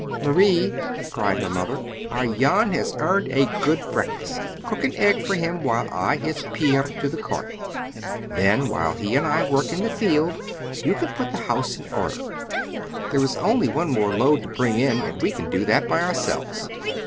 "Marie," cried her mother, "our Jan has earned a good breakfast! Cook an egg for him, while I hitch Pier to the cart. Then, while he and I work in the field, you can put the house in order. There is only one more load to bring in, and we can do that by ourselves."